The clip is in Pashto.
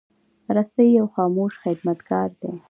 رسۍ یو خاموش خدمتګار دی.